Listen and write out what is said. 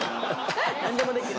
なんでもできる。